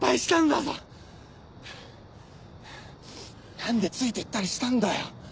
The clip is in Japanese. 何でついて行ったりしたんだよ？